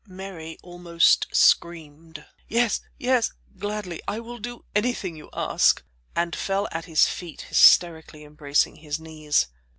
Mary almost screamed, "Yes, yes; gladly; I will do anything you ask," and fell at his feet hysterically embracing his knees.